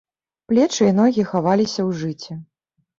Плечы і ногі хаваліся ў жыце.